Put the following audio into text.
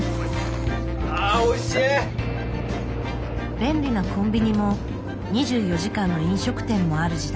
便利なコンビニも２４時間の飲食店もある時代。